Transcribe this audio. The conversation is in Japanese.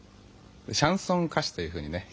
シャンソン歌手というふうにね。